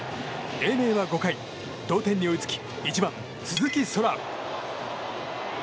英明は５回、同点に追いつき１番、鈴木昊。